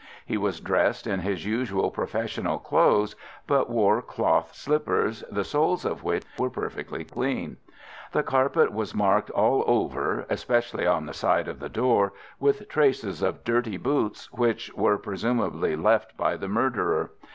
He was dressed in his usual professional clothes, but wore cloth slippers, the soles of which were perfectly clean. The carpet was marked all over, especially on the side of the door, with traces of dirty boots, which were presumably left by the murderer.